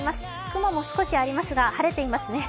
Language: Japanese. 雲も少しありますが晴れていますね。